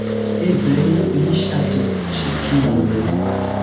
Eble li ŝatus ĉi tiun